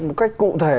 một cách cụ thể